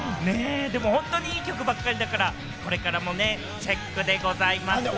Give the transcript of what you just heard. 本当にいい曲ばっかりだから、これからもチェックでございますよ。